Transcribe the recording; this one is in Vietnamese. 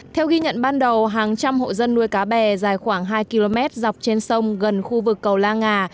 theo ghi nhận ban đầu hàng trăm hộ dân nuôi cá bè dài khoảng hai km dọc trên sông gần khu vực cầu la nga